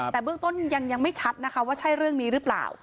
แต่เบื้องต้นยังไม่ชัดนะคะว่าใช่เรื่องนี้หรือเปล่า